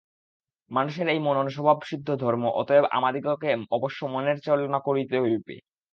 মানুষের এই মনন স্বভাবসিদ্ধ ধর্ম, অতএব আমাদিগকে অবশ্য মনের চালনা করিতে হইবে।